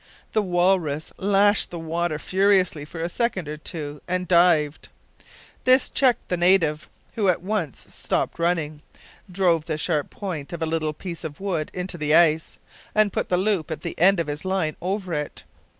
The walrus lashed the water furiously for a second or two and dived. This checked the native, who at once stopped running, drove the sharp point of a little piece of wood into the ice, and put the loop at the end of his line over it.